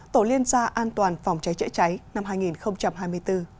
tổ liên gia an toàn phòng cháy chữa cháy năm hai nghìn hai mươi bốn